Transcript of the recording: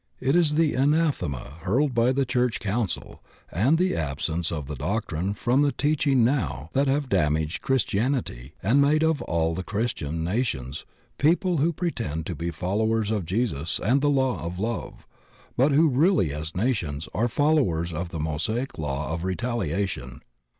It is the anathema hurled by the church coim cil and the absence of the doctrine from the teaching now that have damaged Christianity and made of aU the Christian nations people who pretend to be follow ers of Jesus and the law of love, but who really as nations are followers of the Mosaic law of retaliation.